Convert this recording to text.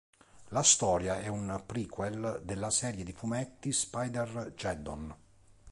La storia è un prequel della serie di fumetti "Spider-Geddon".